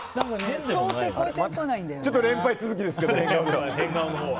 ちょっと連敗続きですけど変顔は。